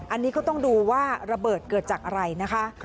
อันนี้ก็ต้องดูว่าระเบิดเกิดจากอะไรนะคะ